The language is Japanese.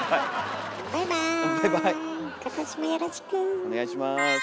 お願いします。